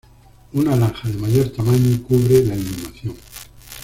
Una laja de mayor tamaño cubre la inhumación.